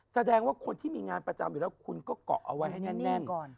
แสดงว่าคนที่มีงานประจำอยู่แล้วคุณก็เกาะเอาไว้ให้แน่น